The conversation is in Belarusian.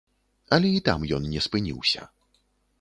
Але і там ён не спыніўся.